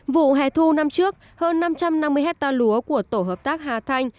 vụ hè thu năm trước hơn năm trăm năm mươi hectare lúa của tổ hợp tác hà thanh